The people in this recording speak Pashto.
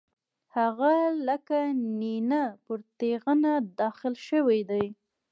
هغه لکه نېنه پر تېغنه داغل شوی دی.